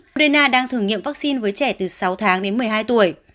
ukraine đang thử nghiệm vaccine với trẻ từ sáu tháng đến một mươi hai tuổi